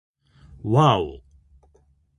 わぁお